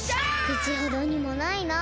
くちほどにもないなあ。